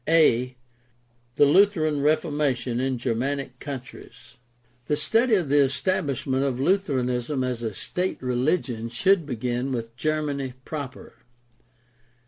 A. THE LUTHERAN REFORMATION IN GERMANIC COUNTRIES The study of the establishment of Lutheranism as a state religion should begin with Germany proper.